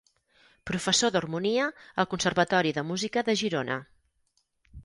Professor d'harmonia al Conservatori de Música de Girona.